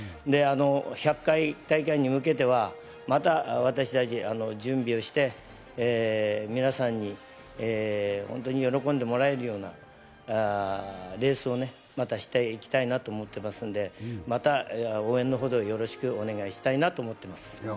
１００回大会に向けては、また私達、準備をして皆さんに喜んでもらえるようなレースをまたしていきたいなと思っていますので、また応援のほど、よろしくお願いしたいと思っています。